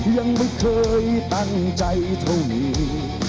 ยังไม่เคยตั้งใจเท่านี้